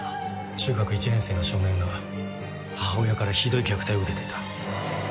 中学１年生の少年が母親からひどい虐待を受けていた。